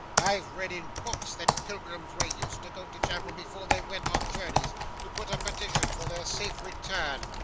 I've read in books that pilgrims were used to go to chapel before they went on journeys, to put up petitions for their safe return.